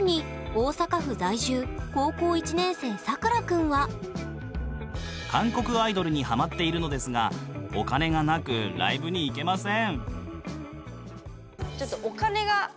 さらに韓国アイドルにハマっているのですがお金がなく、ライブに行けません。